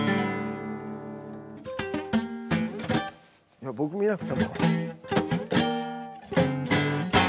いや僕見なくても。